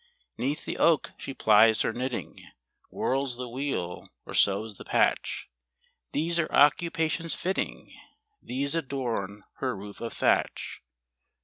'Neath the oak she plies her knitting, Whirls the wheel, or sews the patch : These are occupations fitting, These adorn her roof of thatch.